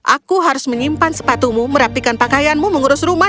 aku harus menyimpan sepatumu merapikan pakaianmu mengurus rumah